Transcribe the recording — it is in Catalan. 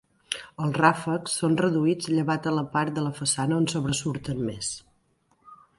Els ràfecs són reduïts llevat a la part de la façana on sobresurten més.